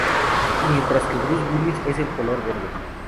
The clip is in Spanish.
Mientras que Bruce Willis es el color verde.